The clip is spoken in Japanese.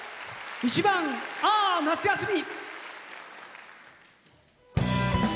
１番「あー夏休み」。